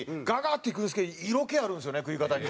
ッていくんですけど色気あるんですよね食い方に。